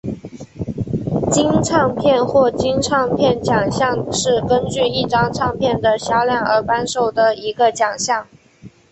金唱片或金唱片奖项是根据一张唱片的销量而颁授的一个奖项。